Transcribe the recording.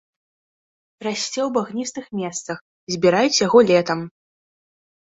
Расце ў багністых месцах, збіраюць яго летам.